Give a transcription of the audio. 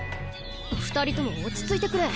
２人とも落ち着いてくれ。